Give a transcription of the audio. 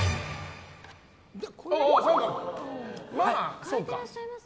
変えてらっしゃいます？